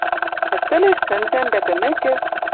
Ӹштӹлеш сӹнзӓм дӓ тӹмӹкӹ